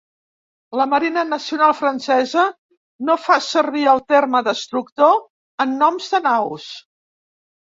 La Marina Nacional Francesa no fa servir el terme "destructor" en noms de naus.